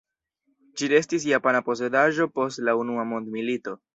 Ĝi restis japana posedaĵo post la Unua Mondmilito.